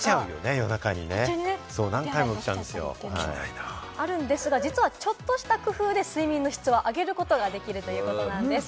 夜中に何回も起きちゃうんですよ。というところもあるんですが、実はちょっとした工夫で睡眠の質を上げることができるんです。